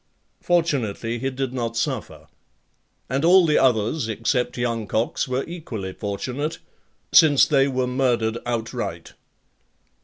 Fortunately, he did not suffer. And all the others except young Cox were equally fortunate, since they were murdered outright.